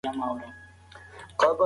اصطلاحات د علم خنډ نه ګرځي.